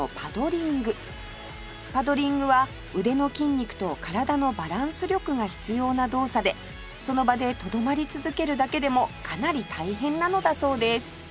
パドリングは腕の筋肉と体のバランス力が必要な動作でその場でとどまり続けるだけでもかなり大変なのだそうです